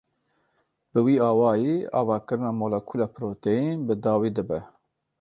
Bi vî awayî avakirina molekûla proteîn bi dawî dibe.